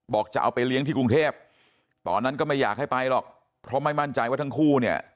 จะเอาไปเลี้ยงที่กรุงเทพตอนนั้นก็ไม่อยากให้ไปหรอกเพราะไม่มั่นใจว่าทั้งคู่เนี่ย